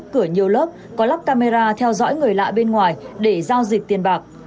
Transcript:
cửa nhiều lớp có lắp camera theo dõi người lạ bên ngoài để giao dịch tiền bạc